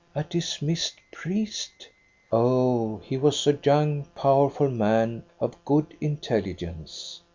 "A dismissed priest! " "Oh, he was a young, powerful man, of good intelligence.